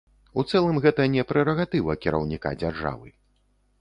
У цэлым гэта не прэрагатыва кіраўніка дзяржавы.